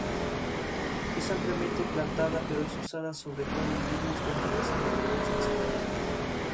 Es ampliamente plantada, pero es usada sobre todo en vinos con diversas variedades mezcladas.